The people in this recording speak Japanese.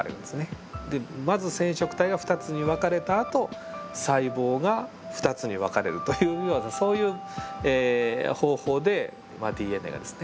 でまず染色体が２つに分かれたあと細胞が２つに分かれるというそういう方法でＤＮＡがですね